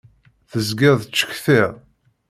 Tezgiḍ tettcetkiḍ.